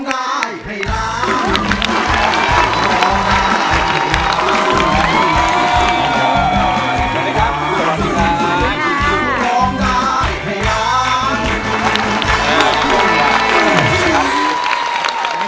แพยาะเรารอมาแพยาะ